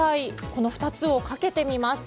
この２つをかけてみます。